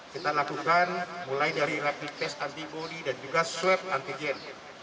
kita lakukan mulai dari rapid test antibody dan juga swab antigen